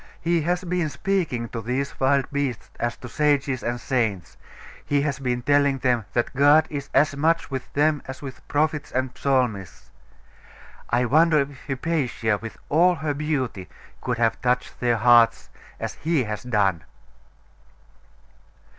He has been speaking to these wild beasts as to sages and saints; he has been telling them that God is as much with them as with prophets and psalmists.... I wonder if Hypatia, with all her beauty, could have touched their hearts as he has done?